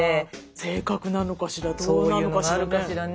性格なのかしらどうなのかしらね？